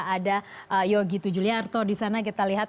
ada yogi tujuliarto di sana kita lihat